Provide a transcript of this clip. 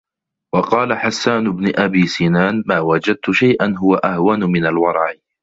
وَقَالَ حَسَّانُ بْنُ أَبِي سِنَانٍ مَا وَجَدْت شَيْئًا هُوَ أَهْوَنُ مِنْ الْوَرَعِ